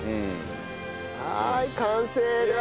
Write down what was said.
はい完成です。